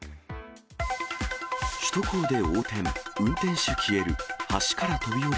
首都高で横転、運転手消える。